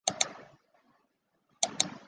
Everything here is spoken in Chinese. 之后雨果详细介绍了尚万强的背景。